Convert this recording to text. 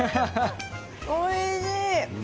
おいしい！